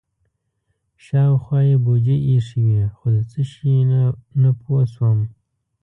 شاوخوا یې بوجۍ ایښې وې خو د څه شي نه پوه شوم.